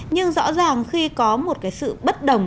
nhưng rõ ràng khi có một sự bất đồng